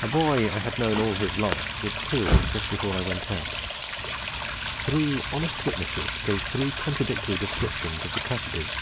A boy I had known all his life was killed just before I went out: three honest witnesses gave three contradictory descriptions of the tragedy.